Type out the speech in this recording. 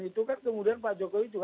itu kan kemudian pak jokowi juga